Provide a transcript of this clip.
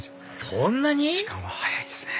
そんなに⁉時間は早いですね